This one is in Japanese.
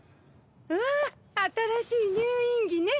うわ新しい入院着ね。